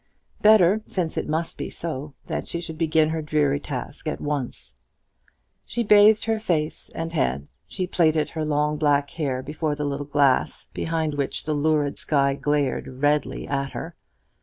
Better, since it must be so, that she should begin her dreary task at once. She bathed her face and head, she plaited her long black hair before the little glass, behind which the lurid sky glared redly at her.